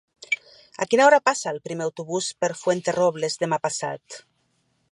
A quina hora passa el primer autobús per Fuenterrobles demà passat?